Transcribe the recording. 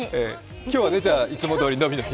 今日はいつもどおり伸び伸び。